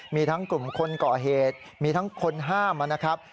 มีทั้งกลุ่มคนก่อเหตุมีทั้งคนห้ามนะครับ